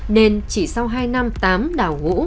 nên chỉ sau hai năm tám đào ngũ